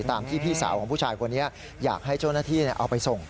ตามที่พี่สาวของผู้ชายคนนี้อยากให้เจ้าหน้าที่เอาไปส่ง